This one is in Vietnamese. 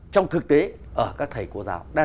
trong thực tế ở các thầy cô giáo